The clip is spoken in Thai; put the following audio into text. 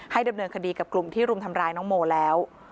ดำเนินคดีกับกลุ่มที่รุมทำร้ายน้องโมแล้ว